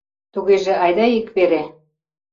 — Тугеже айда ик вере...